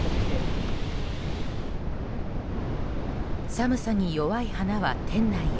寒さに弱い花は店内へ。